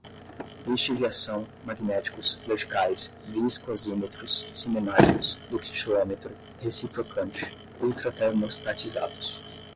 lixiviação, magnéticos, verticais, viscosímetros, cinemáticos, ductilômetro, reciprocante, ultratermostatizados